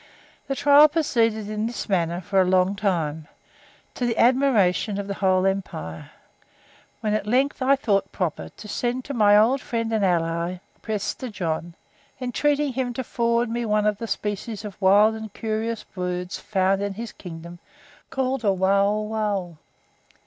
The trial proceeded in this manner for a long time, to the admiration of the whole empire, when at length I thought proper to send to my old friend and ally, Prester John, entreating him to forward to me one of the species of wild and curious birds found in his kingdom, called a Wauwau.